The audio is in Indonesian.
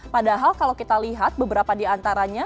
padahal kalau kita lihat beberapa di antaranya